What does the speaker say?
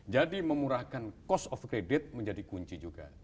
jadi memurahkan cost of credit menjadi kunci juga